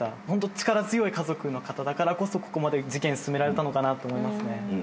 ホント力強い家族の方だからこそここまで事件進められたのかなと思いますね。